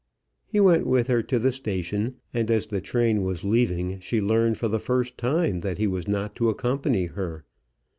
He went with her to the station, and as the train was leaving she learned for the first time that he was not to accompany her.